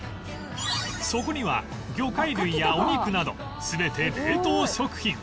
そこには魚介類やお肉など全て冷凍食品